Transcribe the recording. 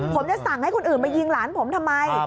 ผมจะสั่งให้คนอื่นมายิงหลานผมทำไม